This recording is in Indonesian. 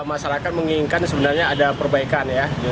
masyarakat menginginkan sebenarnya ada perbaikan ya